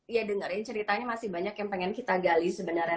iya dengerin ceritanya masih banyak yang pengen kita gali sebenarnya